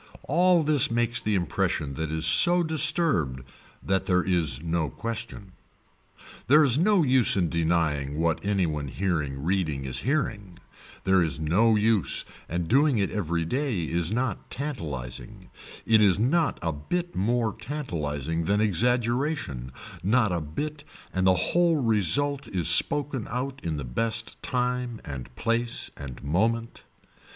All this makes the impression that is so disturbed that there is no question. There is no use in denying what any one hearing reading is hearing, there is no use and doing it every day is not tantalising, it is not a bit more tantalising than exaggeration, not a bit and the whole result is spoken out in the best time and place and moment.